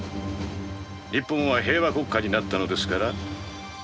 日本は平和国家になったのですから。